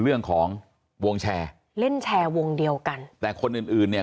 เรื่องของวงแชร์เล่นแชร์วงเดียวกันแต่คนอื่นอื่นเนี่ย